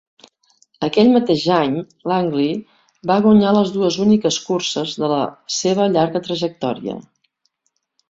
Aquell mateix any, Langley va guanyar les dues úniques curses de la seva llarga trajectòria.